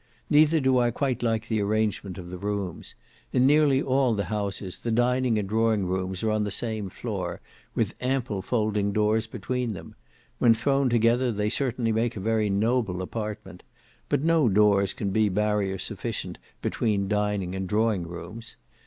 Neither do I quite like the arrangement of the rooms. In nearly all the houses the dining and drawing rooms are on the same floor, with ample folding doors between them; when thrown together they certainly make a very noble apartment; but no doors can be barrier sufficient between dining and drawing rooms.